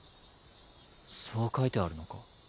そう書いてあるのか？